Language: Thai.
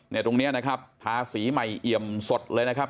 เนี่ยตรงเนี่ยนะครับทาสีใหม่เอียมสดเลยนะครับ